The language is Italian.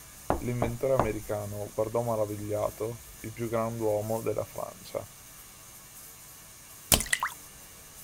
L'inventore americano guardò maravigliato il più grand'uomo della Francia.